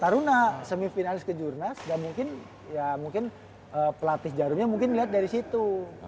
taruna semifinalis ke jurnas dan mungkin ya mungkin pelatih jarumnya mungkin liat dari situ